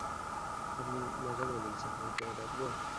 আপনি মজা করে বলেছেন, এটা রাখব?